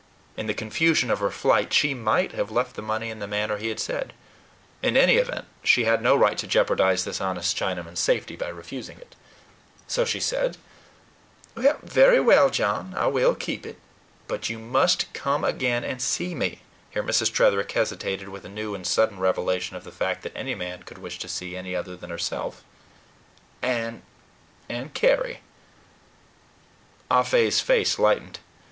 In the confusion of her flight, she MIGHT have left the money in the manner he had said. In any event, she had no right to jeopardize this honest Chinaman's safety by refusing it. So she said: "Very well, John, I will keep it. But you must come again and see me " here Mrs. Tretherick hesitated with a new and sudden revelation of the fact that any man could wish to see any other than herself "and, and Carry." Ah Fe's face lightened.